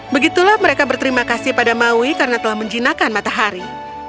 begitulah mereka berterima kasih pada maui karena telah menjinakan matahari